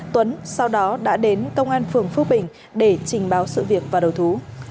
tuấn sau đó đã đến công an phường phước bình để trình báo sự việc và đầu thú